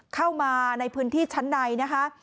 เข้ามาในพื้นที่ชั้นในนะคะ